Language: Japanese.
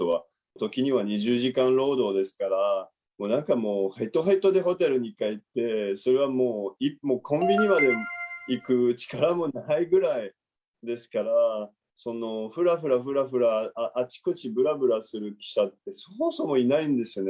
時には２０時間労働ですから、なんかもう、へとへとでホテルに帰って、それはもう、コンビニまで行く力もないぐらいですから、ふらふらふらふら、あちこちぶらぶらする記者ってそもそもいないんですよね。